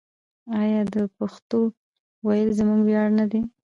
آیا د پښتو ویل زموږ ویاړ نه دی؟